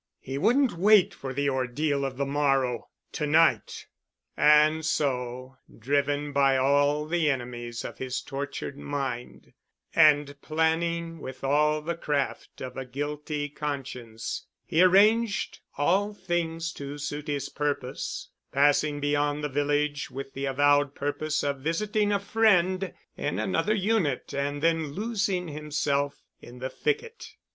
He wouldn't wait for the ordeal of the morrow ... to night! And so, driven by all the enemies of his tortured mind, and planning with all the craft of a guilty conscience, he arranged all things to suit his purpose, passing beyond the village with the avowed purpose of visiting a friend in another unit and then losing himself in the thicket.